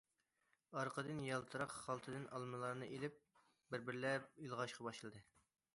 ئارقىدىن يالتىراق خالتىدىن ئالمىلارنى ئېلىپ بىر- بىرلەپ ئىلغاشقا باشلىدى.